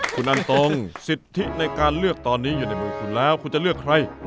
คุณอันตรงสิทธิในการเลือกตอนนี้อยู่ในมือคุณแล้วคุณจะเลือกใคร